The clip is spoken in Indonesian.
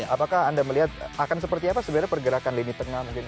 apakah anda melihat akan seperti apa sebenarnya pergerakan lini tengah